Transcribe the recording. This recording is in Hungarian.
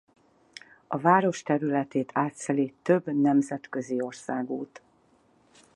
A város területét átszeli több nemzetközi országút.